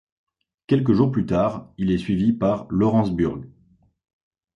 Quelques jours plus tard, il est suivi par Laurence Burg.